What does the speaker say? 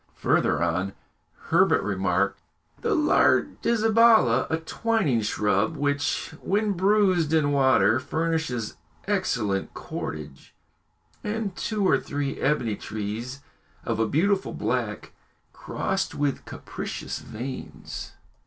Further on, Herbert remarked the lardizabala, a twining shrub which, when bruised in water, furnishes excellent cordage; and two or three ebony trees of a beautiful black, crossed with capricious veins.